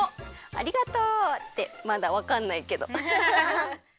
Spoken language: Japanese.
ありがとう！ってまだわかんないけど。